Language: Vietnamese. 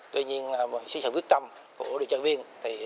tuy nhiên sự quyết tâm của đội trợ viên